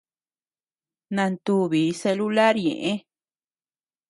Nantubi celular ñeʼe.